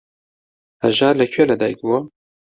هەژار لە کوێ لەدایک بووە؟